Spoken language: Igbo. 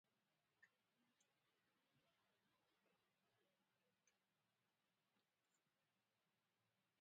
na mba Amerịka